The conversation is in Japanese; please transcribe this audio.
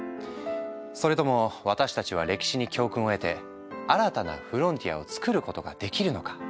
それとも私たちは歴史に教訓を得て新たなフロンティアをつくることができるのか。